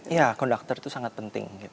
iya konduktor itu sangat penting